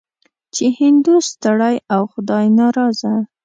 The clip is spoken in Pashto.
چې هندو ستړی او خدای ناراضه.